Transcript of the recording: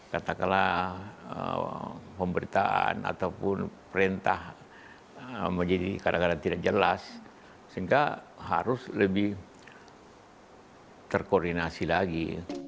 katakanlah pemberitaan ataupun perintah menjadi kadang kadang tidak jelas sehingga harus lebih terkoordinasi lagi